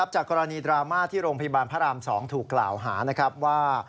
จากกรณีดราม่าที่โรงพยาบาลพระราม๒ถูกกล่าวหาว่า